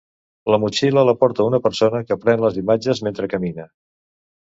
La motxilla la porta una persona que pren les imatges mentre camina.